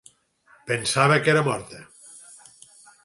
Pensava que era morta.